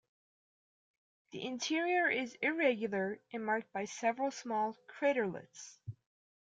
The interior is irregular and marked by several small craterlets.